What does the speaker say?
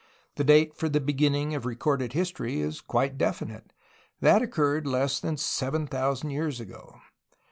The date for the beginning of re corded history is quite definite. That occurred less than 7,000 years ago.